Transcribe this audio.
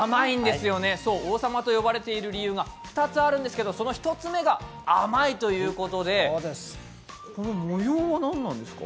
王様と呼ばれている理由が２つあるんですがその１つ目が甘いということで、この模様は何なんですか？